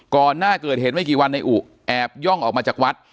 ก่อนหน้าเกิดเหตุไม่กี่วันในอุแอบย่องออกมาจากวัด